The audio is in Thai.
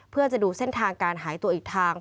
เพื่อจะดูเส้นทางการหายตัวอีกทาง